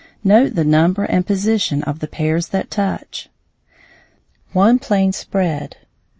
Note the number and position of the pairs that touch: _Spread.